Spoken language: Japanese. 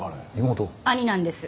兄なんです。